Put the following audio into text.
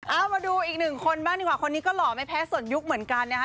เอามาดูอีกหนึ่งคนบ้างดีกว่าคนนี้ก็หล่อไม่แพ้ส่วนยุคเหมือนกันนะคะ